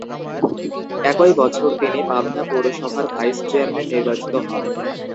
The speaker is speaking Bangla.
একই বছর তিনি পাবনা পৌরসভার ভাইস চেয়ারম্যান নির্বাচিত হন।